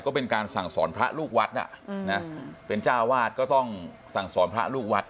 ก็เป็นการสั่งสอนพระลูกวัดอ่ะนะเป็นเจ้าวาดก็ต้องสั่งสอนพระลูกวัด